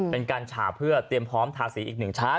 เป็นการฉาเพื่อเตรียมพร้อมทาสีอีกหนึ่งชั้น